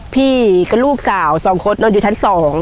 พี่กับลูกสาว๒คนนอนอยู่ชั้น๒